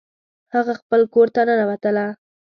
هغه خپل کور ته ننوتله